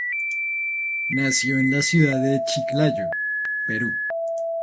Nació en la Ciudad de Chiclayo, Perú.